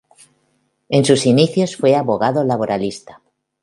En sus inicios fue abogado laboralista.